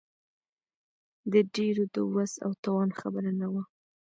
د ډېرو د وس او توان خبره نه وه.